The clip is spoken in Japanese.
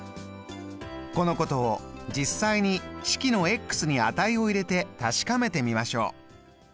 このことを実際に式のに値を入れて確かめてみましょう。